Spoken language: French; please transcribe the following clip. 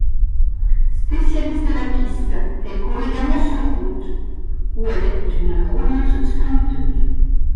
Spécialiste de la piste, elle court également sur route, où est elle une rouleuse-sprinteuse.